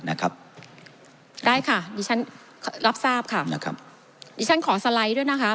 นะครับได้ค่ะดิฉันรับทราบค่ะนะครับดิฉันขอสไลด์ด้วยนะคะ